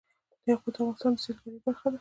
یاقوت د افغانستان د سیلګرۍ برخه ده.